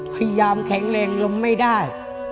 พยายามแข็งแรงลงไม่ได้